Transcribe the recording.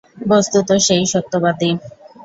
বস্তুত সে-ই সত্যবাদী।